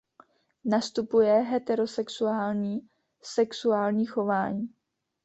Nastupuje heterosexuální sexuální chování.